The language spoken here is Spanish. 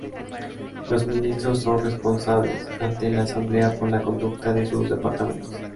Los ministros son responsables ante la Asamblea por la conducta de sus departamentos.